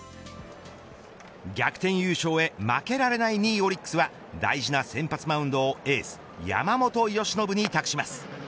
逆転優勝へ負けられない２位オリックスは大事な先発マウンドをエース、山本由伸に託します。